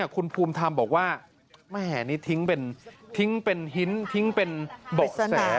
คุณภูมิธรรมบอกว่าแม่นี่ทิ้งเป็นหินทิ้งเป็นเบาะแส